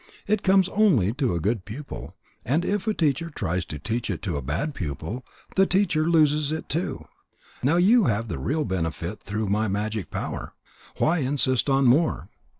It comes only to a good pupil, and if a teacher tries to teach it to a bad pupil, the teacher loses it too. Now you have the real benefit through my magic power. Why insist on more?